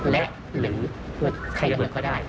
และถูกฉลาดใครทางก็ได้